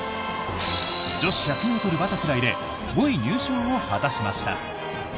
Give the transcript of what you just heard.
女子１００ｍバタフライで５位入賞を果たしました。